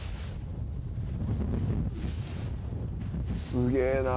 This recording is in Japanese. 「すげえな」